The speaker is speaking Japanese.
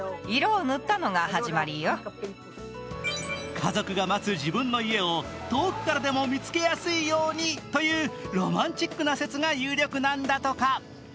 家族が待つ自分の家を、遠くからでも見つけやすいようにというロマンチックな説が有力なんだとか。